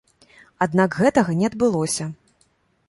Аднак, гэтага не адбылося.